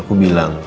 aku bilang ke dia